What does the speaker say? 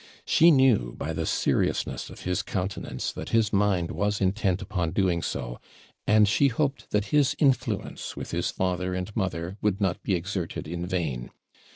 She knew by the seriousness of his countenance that his mind was intent upon doing so, and she hoped that his influence with his father and mother would not be exerted in vain.